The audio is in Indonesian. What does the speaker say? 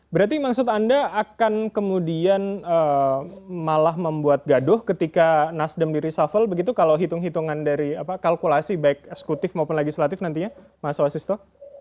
berarti maksud anda akan kemudian malah membuat gaduh ketika nasdem di reshuffle begitu kalau hitung hitungan dari kalkulasi baik eksekutif maupun legislatif nantinya mas wasisto